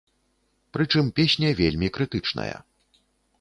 Прычым, песня вельмі крытычная.